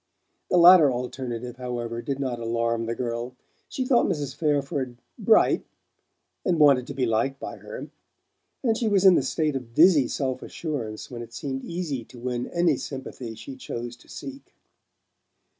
The latter alternative, however, did not alarm the girl. She thought Mrs. Fairford "bright," and wanted to be liked by her; and she was in the state of dizzy self assurance when it seemed easy to win any sympathy she chose to seek.